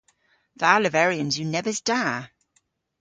Dha leveryans yw nebes da.